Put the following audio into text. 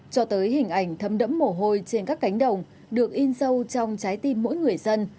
cho tới hình ảnh thấm đẫm mồ hôi trên các cánh đồng được in sâu trong trái tim mỗi người dân